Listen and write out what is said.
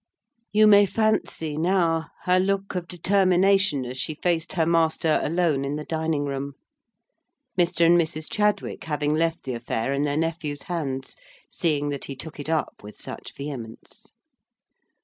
You may fancy, now, her look of determination as she faced her master alone in the dining room; Mr. and Mrs. Chadwick having left the affair in their nephew's hands, seeing that he took it up with such vehemence.